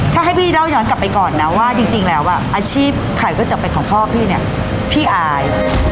ถ้าให้พี่เล่าย้อนกลับไปก่อนนะว่าจริงแล้วอาชีพขายก๋วยเตี๋เป็ดของพ่อพี่เนี่ยพี่อาย